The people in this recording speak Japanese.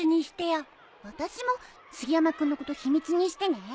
私も杉山君のこと秘密にしてね。